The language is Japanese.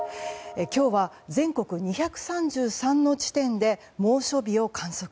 今日は全国２３３の地点で猛暑日を観測。